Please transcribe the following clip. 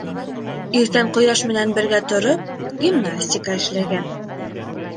Иртән ҡояш менән бергә тороп, гимнастика эшләгән.